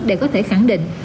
để có thể khẳng định